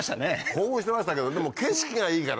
興奮してましたけどでも景色がいいからね。